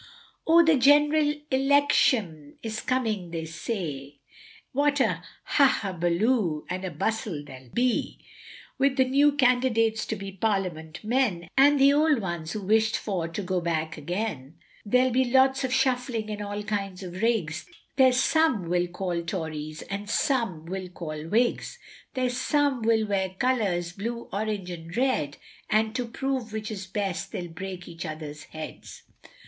O the general Electiom is coming they say, What an huhabolu and a bustle there'll be, With the new candidates to be Parliament men, And the old ones who wished for to go back again. There'll be all sorts of shuffling and all kinds of rigs, There's some will call Tories and some will call Whigs, There's some will wear colours, blue, orange, and red, And to prove which is best, they'll break each other's heads.